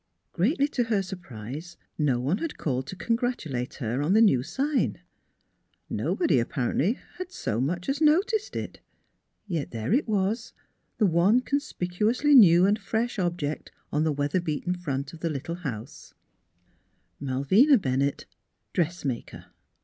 Greatly to her surprise, no one had called to congratulate her on the new sign. Nobody, apparently, had so much as noticed it. Yet there it was, the one conspicu ously new and fresh object on the weatherbeaten front of the little house: " Malvina Bennett, Dressmaker."